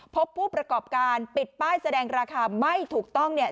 พบผู้ประกอบการปิดป้ายแสดงราคาไม่ถูกต้องเนี่ย